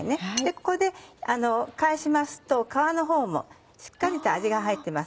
ここで返しますと皮の方もしっかりと味が入ってます。